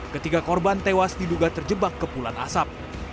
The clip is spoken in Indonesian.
ketiga korban tewas diduga terjebak kepulan asap